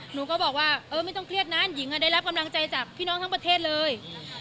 หนูก็บอกว่าเออไม่ต้องเครียดนั้นหญิงได้รับกำลังใจจากพี่น้องทั้งประเทศเลย